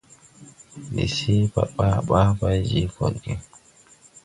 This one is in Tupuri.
Ndi see ɓaa ɓaa bay je koɗge.